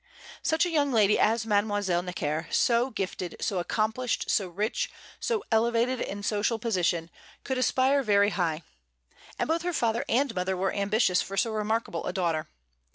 Such a young lady as Mademoiselle Necker so gifted, so accomplished, so rich, so elevated in social position could aspire very high. And both her father and mother were ambitious for so remarkable a daughter.